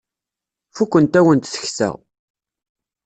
Fukent-awent tekta.